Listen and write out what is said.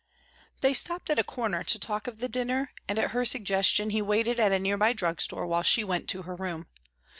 They stopped at a corner to talk of the dinner, and at her suggestion he waited at a near by drug store while she went to her room.